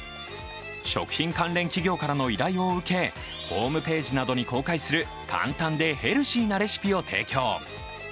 食品関連企業からの依頼を受けホームページなどに公開する簡単でヘルシーなレシピを提供。